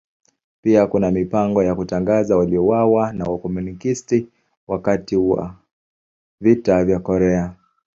Pia kuna mipango ya kutangaza waliouawa na Wakomunisti wakati wa Vita vya Korea.